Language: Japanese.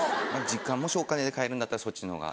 時間もしお金で買えるんだったらそっちの方が。